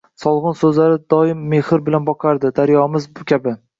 so’lg’in ko’zlari doim mehr bilan boqardi, daryomiz kabi…